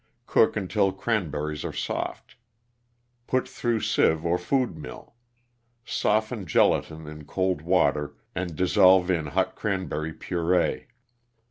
Cook until cranberries are soft. Put through sieve or food mill. Soften gelatin in cold water and dissolve in hot cranberry puree.